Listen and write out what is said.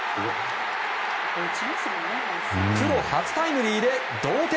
プロ初タイムリーで同点。